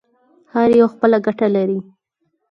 هر یو خپله ګټه لري.